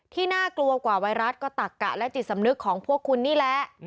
น่ากลัวกว่าไวรัสก็ตักกะและจิตสำนึกของพวกคุณนี่แหละ